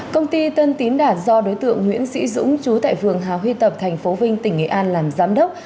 công ty tân tín đạt do đối tượng nguyễn sĩ dũng chú tại phường hà huy tập thành phố vinh tỉnh nghệ an làm giám đốc